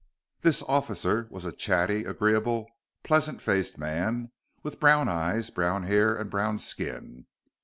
This officer was a chatty, agreeable, pleasant faced man, with brown eyes, brown hair and brown skin.